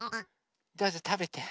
どうぞたべて。